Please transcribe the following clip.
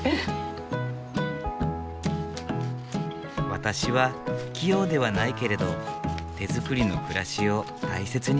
私は器用ではないけれど手作りの暮らしを大切にしたいの。